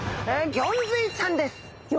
ギョンズイちゃん。